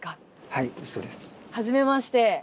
はじめまして。